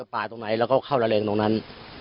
ป่าตรงไหนแล้วก็เข้าระเรงตรงนั้น